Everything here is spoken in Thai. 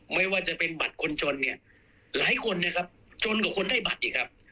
ไม่ว่าจะเป็นบัตรคนจนเนี่ยหลายคนนะครับจนกว่าคนได้บัตรอีกครับ